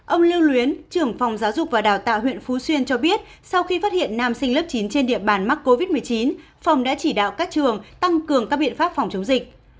ông lưu luyến trưởng phòng giáo dục và đào tạo huyện phú xuyên cho biết sau khi phát hiện nam sinh lớp chín trên địa bàn mắc covid một mươi chín phòng đã chỉ đạo các trường tăng cường các biện pháp phòng chống dịch